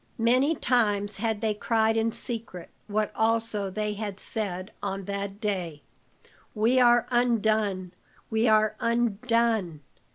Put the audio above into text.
Many times had they cried in secret what also they had said on that day, "We are undone we are undone!"